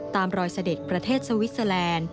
ตามรอยเสด็จประเทศสวิสเตอร์แลนด์